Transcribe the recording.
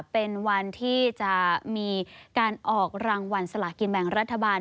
เป็นวันที่จะมีการออกรางวัลสลากินแบ่งรัฐบาล